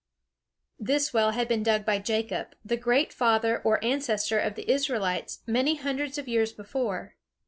This well had been dug by Jacob, the great father or ancestor of the Israelites, many hundreds of years before.